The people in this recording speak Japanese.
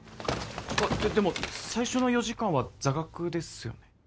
ででも最初の４時間は座学ですよね？